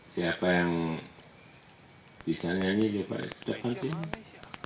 siapa yang bisa nyanyi di depan sini